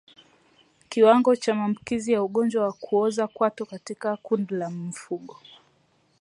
Kiwango cha maambukizi ya ugonjwa wa kuoza kwato katika kundi la mifugo